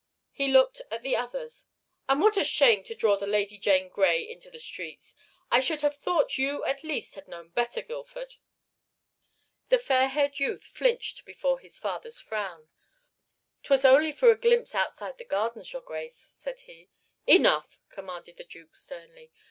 He looked at the others. "And what a shame to draw the Lady Jane Grey into the streets! I should have thought you at least had known better, Guildford." The fair haired youth flinched before his father's frown. "'Twas only for a glimpse outside the gardens, your Grace," said he. "Enough!" commanded the Duke sternly.